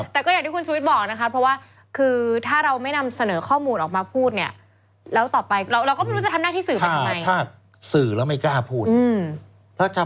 แต่ก็อย่างที่คุณชุวิตบอกนะครับเพราะว่า